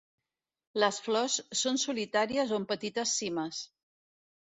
Les flors són solitàries o en petites cimes.